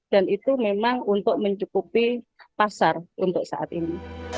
dan itu memang untuk mencukupi pasar untuk saat ini